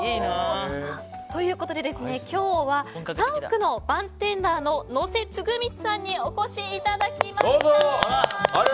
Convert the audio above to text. ということで今日はサンクのバーテンダーの野瀬従道さんにお越しいただきました。